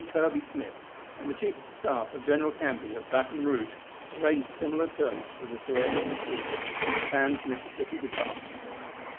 Kirby Smith, and the chief of staff of General Canby, at Baton Rouge, arranged similar terms for the surrender of the troops in the trans Mississippi Department.